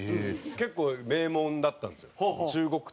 結構名門だったんですよ。